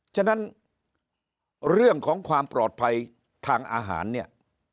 ฉะนั้นเรื่องของความปลอดภัยทางอาหารเนี่ย